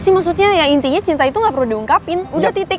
sih maksudnya ya intinya cinta itu gak perlu diungkapin udah titik